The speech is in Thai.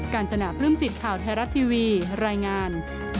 การจนาปลื้มจิตข่าวไทยรัฐทีวีรายงาน